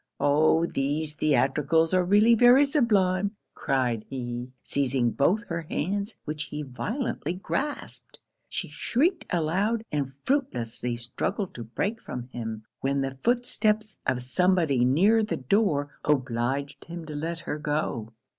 'Oh! these theatricals are really very sublime!' cried he, seizing both her hands, which he violently grasped. She shrieked aloud, and fruitlessly struggled to break from him, when the footsteps of somebody near the door obliged him to let her go.